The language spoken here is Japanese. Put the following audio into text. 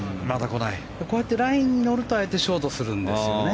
こうやってラインに乗るとああやってショートするんですよね。